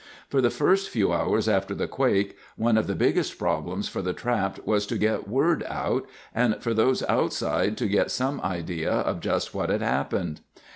For the first few hours after the quake, one of the biggest problems for the trapped was to get word out, and for those outside to get some idea of just what had happened.